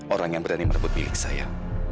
orang yang berani merebut milik saya